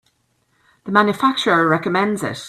The manufacturer recommends it.